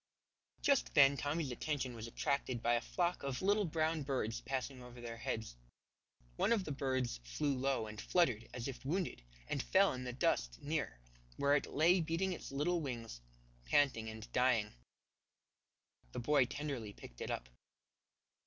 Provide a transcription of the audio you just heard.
Just then Tommy's attention was attracted by a flock of little brown birds passing over their heads. One of the birds flew low and fluttered as if wounded, and fell in the dust near, where it lay beating its little wings, panting and dying. The boy tenderly picked it up.